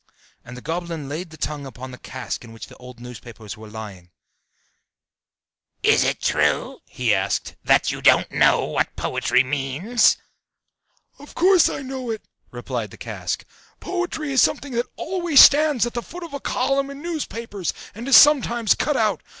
And the goblin laid the tongue upon the cask in which the old newspapers were lying. "Is it true," he asked, "that you don't know what poetry means?" "Of course I know it," replied the cask: "poetry is something that always stands at the foot of a column in the newspapers, and is sometimes cut out.